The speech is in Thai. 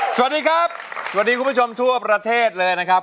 สวัสดีครับสวัสดีคุณผู้ชมทั่วประเทศเลยนะครับ